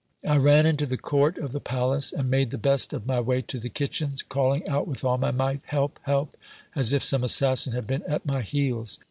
I ran jr. to the court of the palace, and made the best of my way to the kitchens, call ing out with all my might, " Help ! help !" as if some assassin had been at my h<:els.